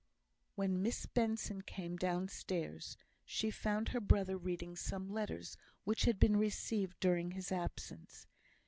When Miss Benson came downstairs, she found her brother reading some letters which had been received during his absence.